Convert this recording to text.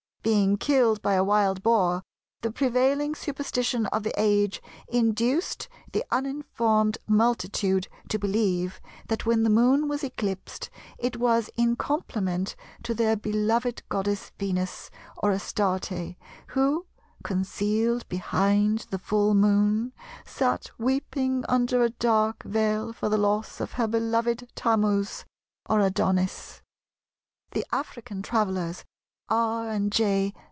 Being killed by a wild boar, the prevailing superstition of the age induced the uninformed multitude to believe that when the Moon was eclipsed, it was in complement to their beloved goddess Venus or Astarte, who, concealed behind the full Moon, sat weeping under a dark veil for the loss of her beloved Tammuz or Adonis." The African travellers, R. and J.